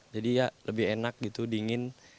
jadi ya lebih enak gitu dingin